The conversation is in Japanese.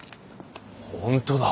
本当だ。